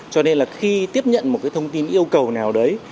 cho nên là khi tiếp nhận một cái thông tin yêu cầu nào đấy